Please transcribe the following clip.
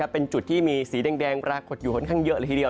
เป็นจุดที่มีสีแดงปรากฏอยู่ค่อนข้างเยอะเลยทีเดียว